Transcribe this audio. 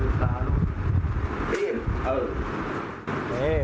หนูอยากมีผัว